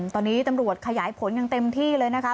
ตอนนี้ตำรวจขยายผลอย่างเต็มที่เลยนะคะ